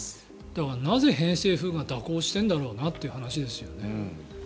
だから、なぜ偏西風が蛇行しているんだろうなっていう話ですよね。